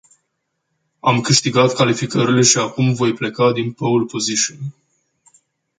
Am câștigat calificările și acum voi pleca din pole position.